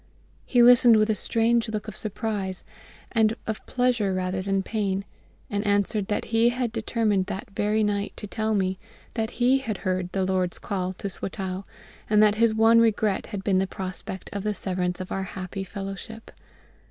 He listened with a strange look of surprise, and of pleasure rather than pain; and answered that he had determined that very night to tell me that he had heard the LORD'S call to Swatow, and that his one regret had been the prospect of the severance of our happy fellowship.